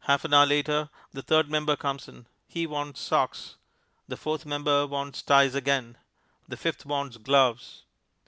Half an hour later the third member comes in. He wants socks.... The fourth member wants ties again... The fifth wants gloves....